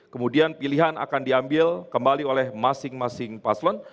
kemudian pilihan akan diambil kembali oleh masing masing paslon